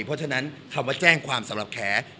เพราะฉะนั้นคำว่าแจ้งความสำหรับแคร์